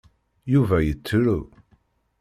Yuba yettru.